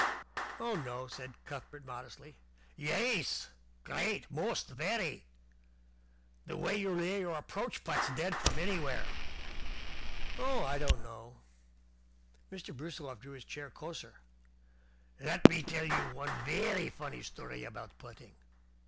"Oh, no," said Cuthbert modestly. "Yais! Great. Most! Very! The way you lay your approach putts dead from anywhere!" "Oh, I don't know." Mr. Brusiloff drew his chair closer. "Let me tell you one vairy funny story about putting.